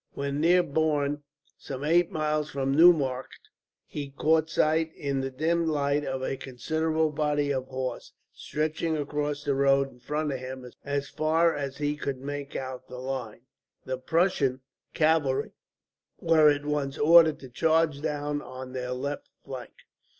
When near Borne, some eight miles from Neumarkt, he caught sight in the dim light of a considerable body of horse, stretching across the road in front of him as far as he could make out the line. The Prussian cavalry were at once ordered to charge down on their left flank.